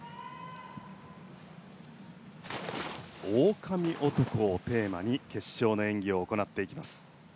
狼男をテーマに決勝の演技を行っていきます。